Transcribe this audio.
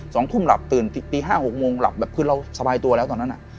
สองทุ่มหลับตื่นตีห้าหกโมงหลับแบบคือเราสบายตัวแล้วตอนนั้นอ่ะ